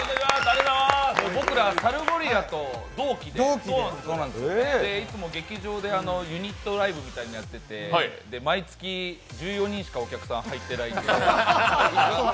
僕ら、サルゴリラと同期でいつも劇場でユニットライブみたいなのをやってて毎月、１４人しかお客さん入ってないんで。